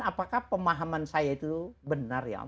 apakah pemahaman saya itu benar ya